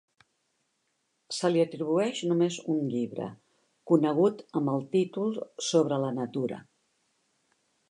Se li atribueix només un llibre, conegut amb el títol "Sobre la Natura".